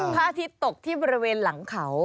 อาทิตย์ตกที่บริเวณหลังเขา